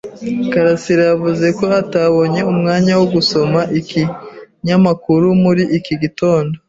karasira yavuze ko atabonye umwanya wo gusoma ikinyamakuru muri iki gitondo.